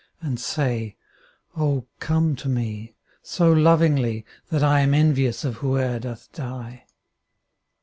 And say " O come to me," so lovingly, That I am envious of whoe'er doth die.